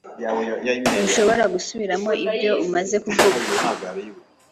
ntushobora gusubiramo ibyo umaze kuvuga